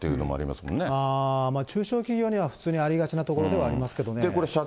まあ、中小企業には普通にありがちなところではありますね。